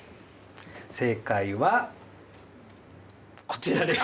正解はこちらです。